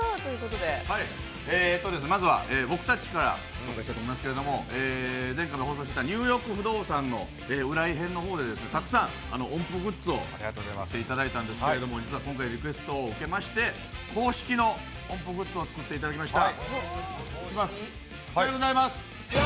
まずは僕たちから紹介したいんですが、「ニューヨーク不動産」の浦井編の方でたくさん音符グッズを作っていただいたんですけど実は今回リクエストをいただきまして、公式の音符グッズを作っていただきました。